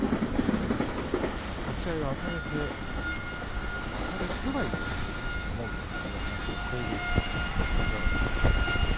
立ち合いは、あたれてあたれてはいると思うという話をしている千代の国です。